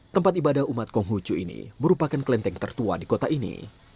tempat ibadah umat konghucu ini merupakan kelenteng tertua di kota ini